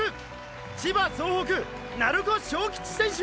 千葉総北鳴子章吉選手！！